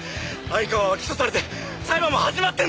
相川は起訴されて裁判も始まってんだろ！？